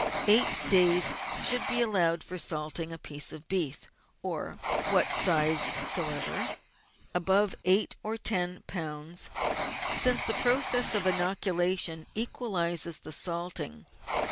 Eight days should be allowed for salting a piece of beef of what size soever, above eight or ten lb., since the process of inoculation equalises the salting.